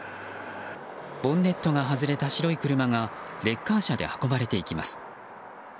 ボンネットが外れた白い車がレッカー車で運ばれていきます。